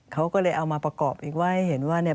เขาก็เลยเอามาประกอบอีกว่าให้เห็นว่าเนี่ย